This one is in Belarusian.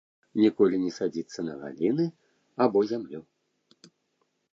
Ніколі не садзіцца на галіны або зямлю.